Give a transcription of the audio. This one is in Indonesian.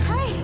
aku mau jalan